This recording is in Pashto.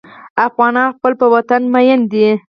افغانان په خپل وطن مین دي.